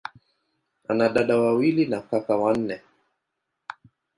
Ana dada wawili na kaka wanne.